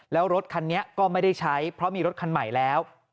แล้วรถคันนี้ก็ไม่ได้ใช้เพราะมีรถคันใหม่แล้ว